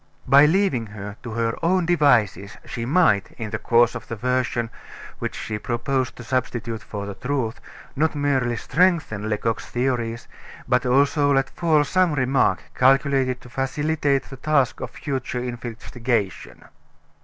By leaving her to her own devices she might, in the course of the version which she proposed to substitute for the truth, not merely strengthen Lecoq's theories, but also let fall some remark calculated to facilitate the task of future investigation.